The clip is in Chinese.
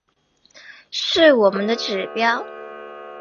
是我们的指标